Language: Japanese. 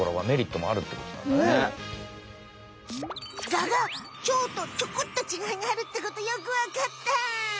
ガがチョウとちょこっと違いがあるってことよくわかった！